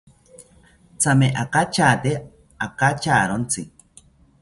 Thame akachate akacharontzi